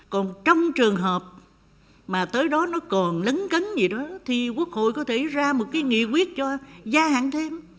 còn trong trường hợp mà tới đó nó còn lấn cấn gì đó thì quốc hội có thể ra một cái nghị quyết cho gia hạn thêm